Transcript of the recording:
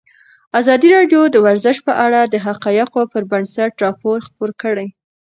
ازادي راډیو د ورزش په اړه د حقایقو پر بنسټ راپور خپور کړی.